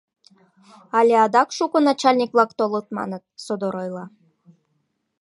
Але адак шуко начальник-влак толыт маныт, — содор ойла.